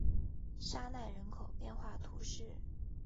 沙奈人口变化图示